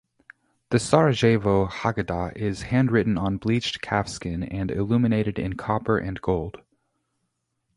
The Sarajevo Haggadah is handwritten on bleached calfskin and illuminated in copper and gold.